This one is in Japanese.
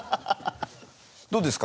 どうですか？